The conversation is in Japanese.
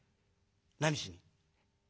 「何しに？」。